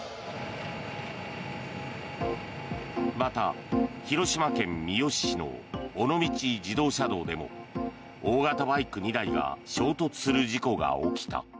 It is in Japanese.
また、広島県三次市の尾道自動車道でも大型バイク２台が衝突する事故が起きた。